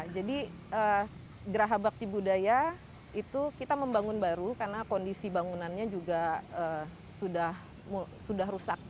jadi geraha bakti budaya itu kita membangun baru karena kondisi bangunannya juga sudah rusak